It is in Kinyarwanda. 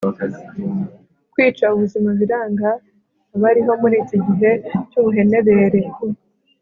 kwica ubuzima biranga abariho muri iki gihe cy'ubuhenebere